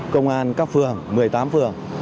công an các phường một mươi tám phường